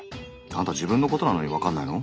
アンタ自分のことなのにわかんないの？